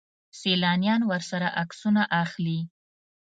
سیلانیان ورسره عکسونه اخلي.